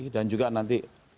dan juga nanti